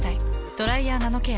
「ドライヤーナノケア」。